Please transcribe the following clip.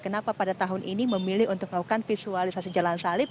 kenapa pada tahun ini memilih untuk melakukan visualisasi jalan salib